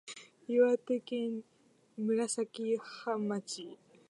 岩手県紫波町